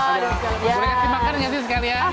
boleh kasih makan nanti sekalian